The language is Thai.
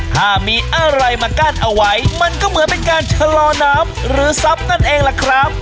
ถ้ามีอะไรมากั้นเอาไว้มันก็เหมือนเป็นการชะลอน้ำหรือซับนั่นเองล่ะครับ